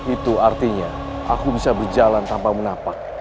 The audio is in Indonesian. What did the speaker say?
itu artinya aku bisa berjalan tanpa menapak